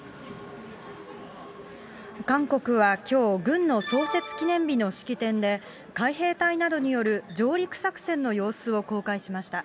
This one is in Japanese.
韓国はきょう、軍の創設記念日の式典で、海兵隊などによる上陸作戦の様子を公開しました。